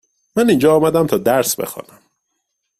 من اینجا آمدم تا درس بخوانم.